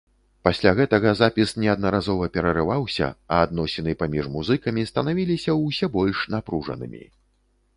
Пасля гэтага запіс неаднаразова перарываўся, а адносіны паміж музыкамі станавіліся ўсе больш напружанымі.